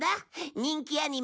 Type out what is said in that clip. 人気アニメ